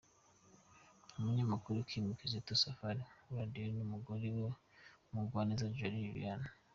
Umunyamakuru Kim Kizito Safari wa Radio n’umugore we Umugwaneza Joie Liliane.